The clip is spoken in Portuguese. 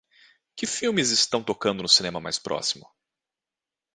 Que filmes estão tocando no cinema mais próximo